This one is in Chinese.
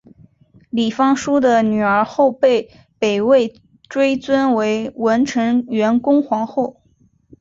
李方叔的女儿后被北魏追尊为文成元恭皇后。